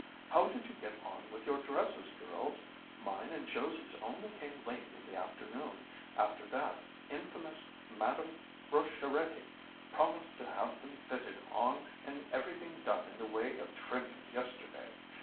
How did you get on with your dresses, girls? Mine and Josie's only came late in the afternoon, after that infamous Madame Rocheretti promising to have them fitted on and everything done in the way of trimmings yesterday.